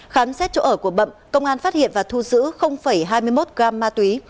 khám xét chỗ ở của bậm công an phát hiện và thu giữ hai mươi một gam ma túy